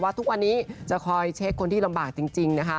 ทุกวันนี้จะคอยเช็คคนที่ลำบากจริงนะคะ